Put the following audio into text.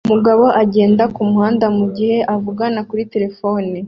Umugabo agenda kumuhanda mugihe avugana kuri terefone